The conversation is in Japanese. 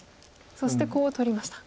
そしてコウを取りました。